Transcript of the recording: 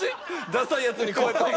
ダサいやつにこうやって。